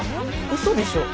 うそでしょう？